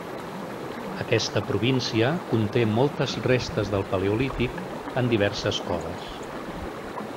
Aquesta província conté moltes restes del paleolític en diverses coves.